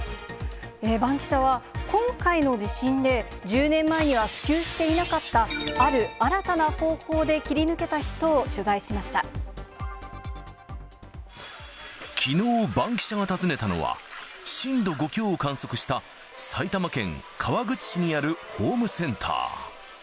バンキシャは今回の地震で、１０年前には普及していなかった、ある新たな方法で切り抜けた人をきのう、バンキシャが訪ねたのは、震度５強を観測した埼玉県川口市にあるホームセンター。